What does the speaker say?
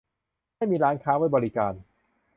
ไม่มีร้านค้าไว้บริการ